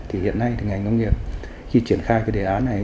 thì hiện nay thì ngành nông nghiệp khi triển khai cái đề án này